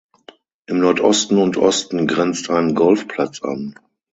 Im Nordosten und Osten grenzt ein Golfplatz an.